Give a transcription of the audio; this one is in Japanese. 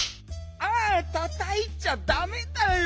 あったたいちゃダメだよ。